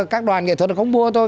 các đoàn nghệ thuật nó không mua thôi